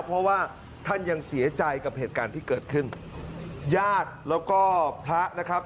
เพราะว่าท่านยังเสียใจกับเหตุการณ์ที่เกิดขึ้นญาติแล้วก็พระนะครับ